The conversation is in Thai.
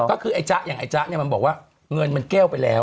ก็คือไอ้จ๊ะอย่างไอ้จ๊ะเนี่ยมันบอกว่า